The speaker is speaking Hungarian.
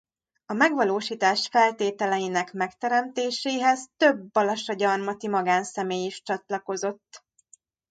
A megvalósítás feltételeinek megteremtéséhez több balassagyarmati magánszemély is csatlakozott.